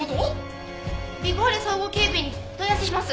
ビゴーレ総合警備に問い合わせします！